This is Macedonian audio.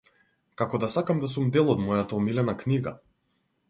Како да сакам да сум дел од мојата омилена книга.